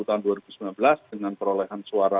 tahun dua ribu sembilan belas dengan perolehan suara